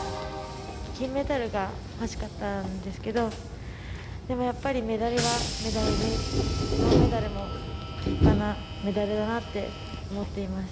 金メダルが欲しかったんですけど、でもやっぱりメダルはメダルで、銅メダルも立派なメダルだなって思っています。